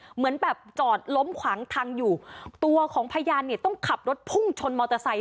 เหมือนแบบจอดล้มขวางทางอยู่ตัวของพยานเนี่ยต้องขับรถพุ่งชนมอเตอร์ไซค